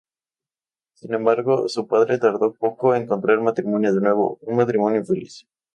Sin embargo, su padre tardó poco en contraer matrimonio de nuevo, un matrimonio infeliz.